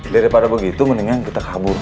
daripada begitu mendingan kita kabur